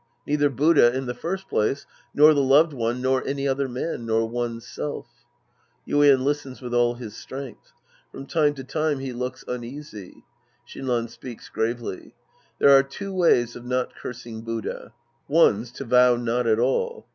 Neither Buddha, in the first place, nor the loved one, nor any other man, nor one's self, (Yuien listens with all his strength. From time to time he looks uneasy. Shinran speaks gravely!) There are two ways of not cursing Buddha. One's to vow not at all.